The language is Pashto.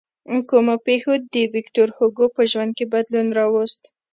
کومو پېښو د ویکتور هوګو په ژوند کې بدلون راوست.